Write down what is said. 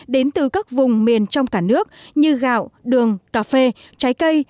đến từ các vùng miền trong cả nước như gạo đường cà phê trái cây